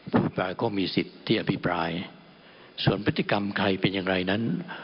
อภิปรายก็มีสิทธิ์ที่อภิปรายส่วนพฤติกรรมใครเป็นอย่างไรนั้น